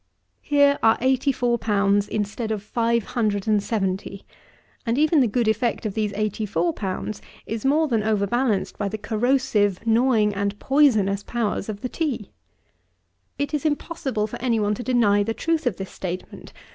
Here are 84 pounds instead of 570, and even the good effect of these 84 pounds is more than over balanced by the corrosive, gnawing and poisonous powers of the tea. 30. It is impossible for any one to deny the truth of this statement.